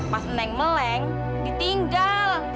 pas neng meleng ditinggal